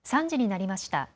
３時になりました。